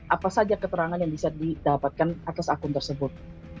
apa saja keterangan yang bisa didapatkan atas akun tersebut